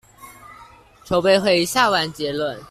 籌備會下完結論